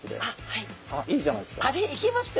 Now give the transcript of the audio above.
いいじゃないですか。